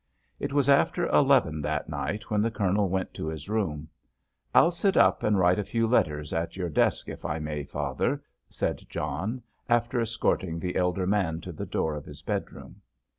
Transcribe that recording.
It was after eleven that night when the Colonel went to his room. "I'll sit up and write a few letters at your desk, if I may, father," said John, after escorting the elder man to the door of his bedroom.